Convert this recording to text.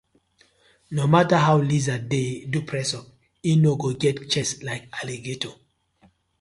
No matter how lizard dey do press up e no go get chest like alligator: